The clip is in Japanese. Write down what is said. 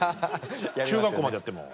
中学校までやっても。